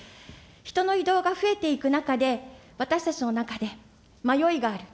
人の移動が増えていく中で、私たちの中で迷いがある。